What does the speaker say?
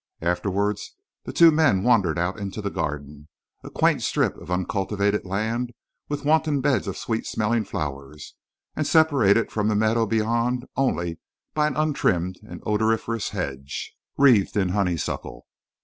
Afterwards the two men wandered out into the garden, a quaint strip of uncultivated land, with wanton beds of sweet smelling flowers, and separated from the meadow beyond only by an untrimmed and odoriferous hedge, wreathed in honeysuckle.